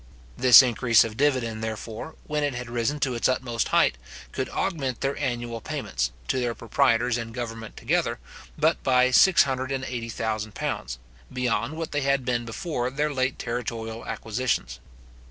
This increase of dividend, therefore, when it had risen to its utmost height, could augment their annual payments, to their proprietors and government together, but by £680,000, beyond what they had been before their late territorial acquisitions.